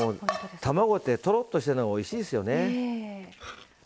卵ってとろっとしてるのがおいしいですよね。